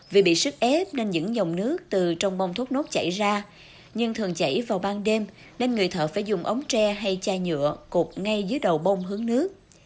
vì bị sức ép nên những dòng nước từ trong bông thốt nốt chảy ra nhưng thường chảy vào ban đêm nên người thợ phải dùng ống tre hay chai nhựa cột ngay dưới đầu bông hướng nước